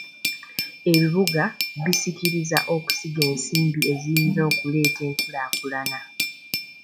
Ebibuga bisikiriza okusiga ensimbi eziyinza okuleeta enkulaakulana.